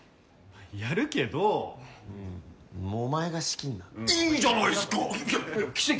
やるけどお前が仕切んないいじゃないっすか！